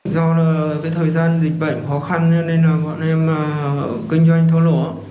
do thời gian dịch bệnh khó khăn nên bọn em kinh doanh tháo lổ